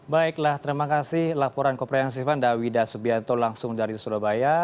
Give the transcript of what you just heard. baiklah terima kasih laporan komprehensifan dawida subianto langsung dari surabaya